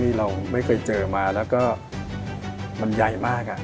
เราไม่เคยเจอมาแล้วก็มันใหญ่มาก